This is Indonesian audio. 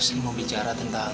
semua bicara tentang